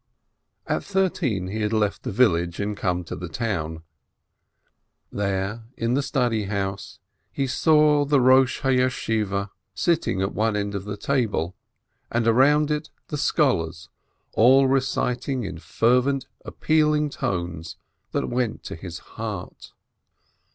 At thirteen he had left the village and come to the town. There, in the house of study, he saw the head of the Academy sitting at one end of the table, and around it, the scholars, all reciting in fervent, appealing tones that went to his heart.